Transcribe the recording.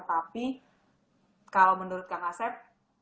tapi kalau menurut kang asep